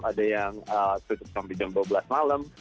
ada yang tutup sampai jam dua belas malam